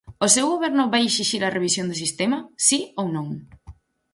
¿O seu goberno vai exixir a revisión do sistema?, ¿si ou non?